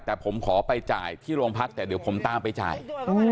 แต่ผมขอไปจ่ายที่โรงพักแต่เดี๋ยวผมตามไปจ่าย